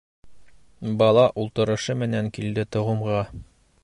Бала ултырышы менән килде тыуымға!